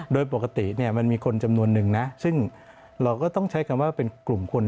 โดยปกติเนี่ยมันมีคนจำนวนนึงนะซึ่งเราก็ต้องใช้คำว่าเป็นกลุ่มคน